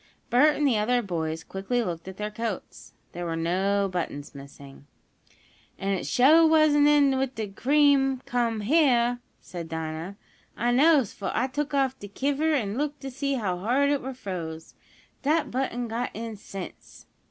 Bert and the other boys quickly looked at their coats. There were no buttons missing. "An' it suah wasn't in when de cream come heah," said Dinah. "I knows, fo I took off de kiver an' looked in t' see how hard it were froze. Dat button got in since!"